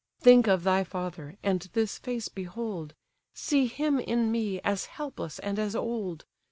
"Think of thy father, and this face behold! See him in me, as helpless and as old!